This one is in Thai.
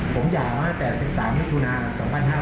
ผมหย่ามาตั้งแต่๑๓มิถุนา๒๕๕๙